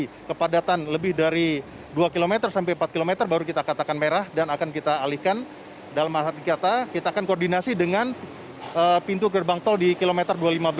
jadi kepadatan lebih dari dua km sampai empat km baru kita katakan merah dan akan kita alihkan dalam hal hati kata kita akan koordinasi dengan pintu gerbang tol di kilometer dua ratus lima belas